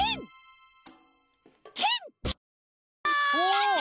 やった！